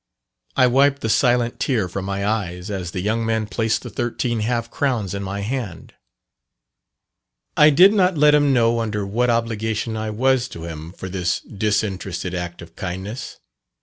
I wiped the silent tear from my eyes as the young man placed the thirteen half crowns in my hand. I did not let him know under what obligation I was to him for this disinterested act of kindness.